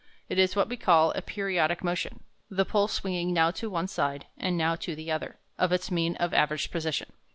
It is what we call a periodic motion, the pole swinging now to one side, and now to the other, of its mean or average position.